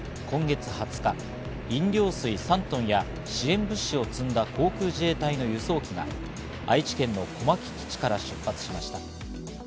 今月２０日、飲料水３トンや支援物資を積んだ航空自衛隊の輸送機が愛知県の小牧基地から出発しました。